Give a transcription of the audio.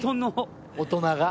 大人が。